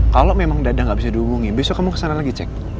kalau memang dadang gak bisa dihubungin besok kamu kesana lagi cek